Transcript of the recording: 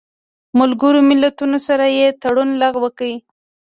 ملګرو ملتونو سره یې تړون لغوه کړی